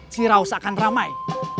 ciraus akan ramai